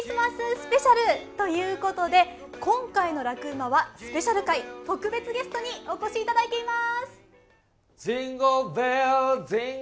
スペシャルということで今回の「ラクうま！」はスペシャル回、特別ゲストにお越しいただいています。